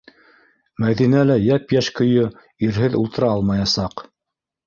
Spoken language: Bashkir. Мәҙинә лә йәп-йәш көйө ирһеҙ ултыра алмаясаҡ.